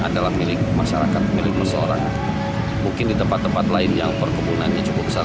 sejauh ini polisi sudah menangkap empat orang pelaku pembakaran